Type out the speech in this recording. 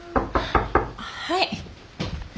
はい。